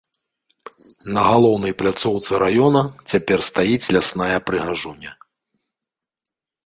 На галоўнай пляцоўцы раёна цяпер стаіць лясная прыгажуня.